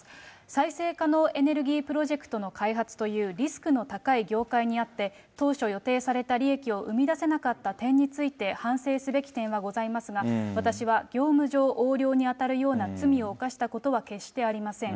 再生可能エネルギープロジェクトの開発というリスクの高い業界にあって、当初予定された利益を生み出せなかった点について、反省すべき点はございますが、私は業務上横領に当たるような罪を犯したことは決してありません。